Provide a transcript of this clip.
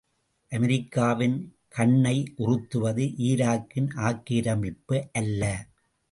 அமெரிக்காவின் கண்ணை உறுத்துவது ஈராக்கின் ஆக்கிரமிப்பு அல்ல.